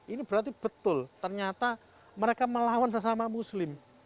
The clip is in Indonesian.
ini berarti betul ternyata mereka melawan sesama muslim